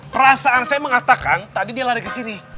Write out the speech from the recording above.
perasaan saya mengatakan tadi dialari kesini